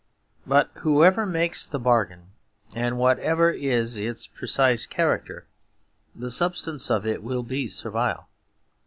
But whoever makes the bargain, and whatever is its precise character, the substance of it will be servile.